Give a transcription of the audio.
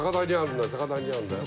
高台にあるんだよ